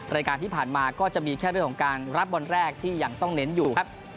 รายการที่ผ่านมาก็จะมีแค่เรื่องของการรับบอลแรกที่ยังต้องเน้นอยู่ครับ